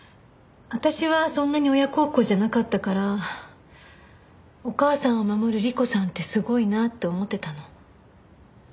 私はそんなに親孝行じゃなかったからお母さんを守る莉子さんってすごいなって思ってたの。